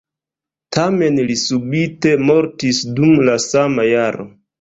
Tamen li subite mortis dum la sama jaro.